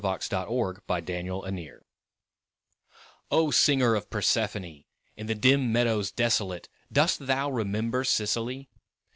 THEOCRITUS A VILLANELLE O SINGER of Persephone! In the dim meadows desolate Dost thou remember Sicily?